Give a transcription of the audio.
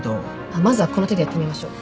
まずはこの手でやってみましょう